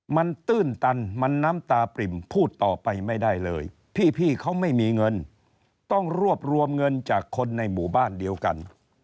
มันตื้นตันมันน้ำตาปริ่มพูดต่อไปไม่ได้เลยพี่เขาไม่มีเงินต้องรวบรวมเงินจากคนในหมู่บ้านเดียวกัน